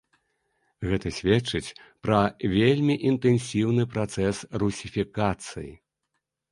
Гэта сведчыць пра вельмі інтэнсіўны працэс русіфікацыі.